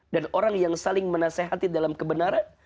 dan orang yang saling menasehati dalam kebenaran